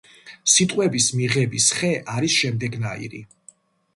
სიტყვების მიღების ხე არის შემდეგნაირი.